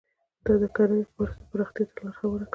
دا د کرنې په برخه کې پراختیا ته لار هواره کړه.